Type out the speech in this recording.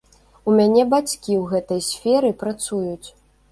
У мяне бацькі ў гэтай сферы працуюць.